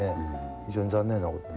非常に残念なことに。